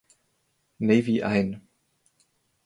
Navy ein.